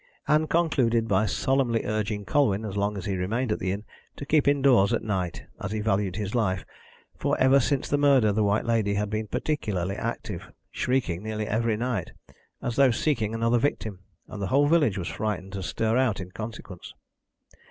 Ann concluded by solemnly urging Colwyn, as long as he remained at the inn, to keep indoors at night as he valued his life, for ever since the murder the White Lady had been particularly active, shrieking nearly every night, as though seeking another victim, and the whole village was frightened to stir out in consequence.